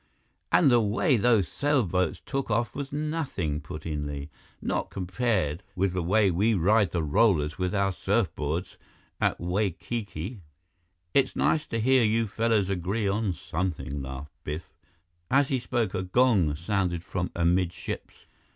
"And the way those sailboats took off was nothing," put in Li. "Not compared with the way we ride the rollers with our surfboards at Waikiki." "It's nice to hear you fellows agree on something," laughed Biff. As he spoke, a gong sounded from amidships.